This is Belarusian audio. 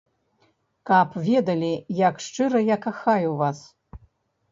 Каб ведалі, як шчыра я кахаю вас.